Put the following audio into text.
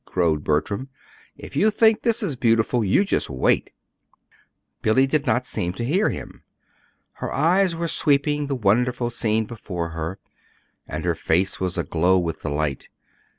crowed Bertram. "If you think this is beautiful, you just wait!" Billy did not seem to hear him. Her eyes were sweeping the wonderful scene before her, and her face was aglow with delight.